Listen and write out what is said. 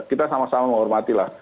kita sama sama menghormati lah